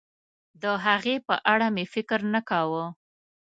د هغې په اړه مې فکر نه کاوه.